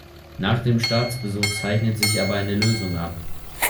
Nach dem Staatsbesuch zeichnet sich aber eine Lösung ab.